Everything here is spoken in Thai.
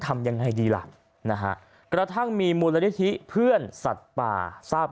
ทำยังไงดีล่ะนะฮะกระทั่งมีมูลนิธิเพื่อนสัตว์ป่าทราบ